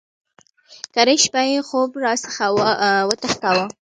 کرۍ شپه یې خوب را څخه وتښتاوه.